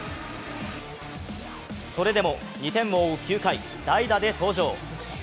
それでも２点を追う９回、代打で登場。